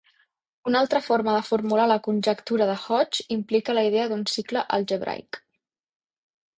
Una altra forma de formular la conjectura de Hodge implica la idea d'un cicle algebraic.